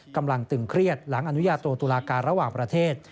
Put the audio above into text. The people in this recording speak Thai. ตึงเครียดหลังอนุญาโตตุลาการระหว่างประเทศ